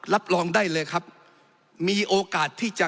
รับรองได้เลยครับมีโอกาสที่จะ